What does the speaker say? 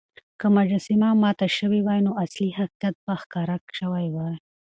که مجسمه ماته شوې وای، نو اصلي حقيقت به ښکاره شوی وای.